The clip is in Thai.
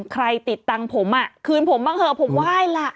ใครติดตังค์ผมอ่ะคืนผมบ้างกินเหอะผมไหล่